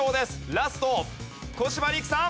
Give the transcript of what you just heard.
ラスト小柴陸さん。